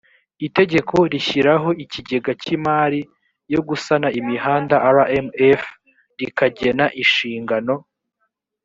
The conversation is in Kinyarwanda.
itegeko rishyiraho ikigega cy imari yo gusana imihanda rmf rikanagena inshingano